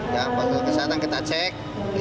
ya protokol kesehatan kita cek